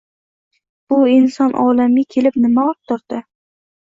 Bu inson olamga kelib, nima orttirdi?